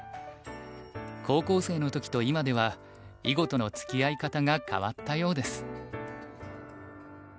高校生の時と今では囲碁とのつきあい方が変わったようです。